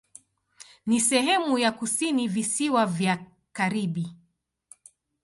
Ni sehemu ya kusini Visiwa vya Karibi.